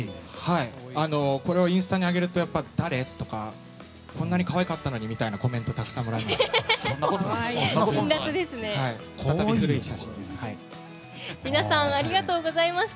これをインスタに上げるとやっぱり、誰？とかこんなに可愛かったのにみたいなコメントをたくさんもらいます。